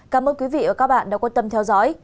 cảm ơn quý vị và các bạn đã quan tâm theo dõi